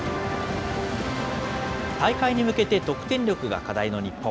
大会に向けて得点力が課題の日本。